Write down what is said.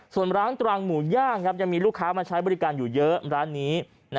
ส่วนร้านตรังหมูย่างยังมีลูกค้ามาใช้บริการอยู่เยอะร้านนี้